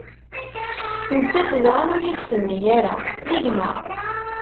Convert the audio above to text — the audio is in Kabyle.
Nettat daɣen ur yi-d-tenni ara: D gma?